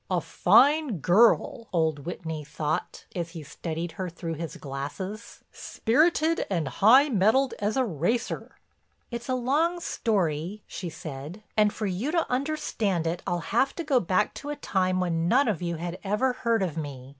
"A fine girl," old Whitney thought, as he studied her through his glasses, "spirited and high mettled as a racer." "It's a long story," she said, "and for you to understand it I'll have to go back to a time when none of you had ever heard of me.